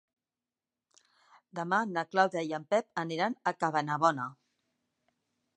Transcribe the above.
Demà na Clàudia i en Pep aniran a Cabanabona.